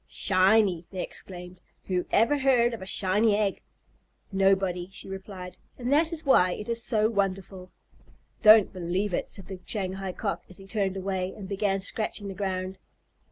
"Shiny!" they exclaimed. "Who ever heard of a shiny egg?" "Nobody," she replied, "and that is why it is so wonderful." "Don't believe it," said the Shanghai Cock, as he turned away and began scratching the ground.